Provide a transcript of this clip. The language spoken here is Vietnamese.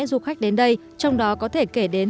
du khách đến đây trong đó có thể kể đến